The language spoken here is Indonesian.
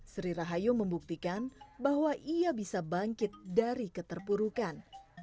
sri rahayu membuktikan bahwa ia bisa bangkit dari keterpurukan